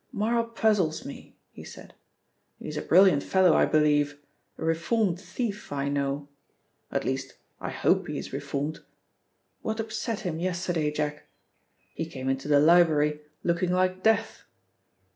"Marl puzzles me," he said "He is a brilliant fellow I believe, a reformed thief I know at least I hope he is reformed. What upset him yesterday, Jack? He came into the library looking like death."